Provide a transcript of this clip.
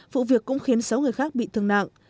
vụ việc cũng khiến sáu người khác bị thương nặng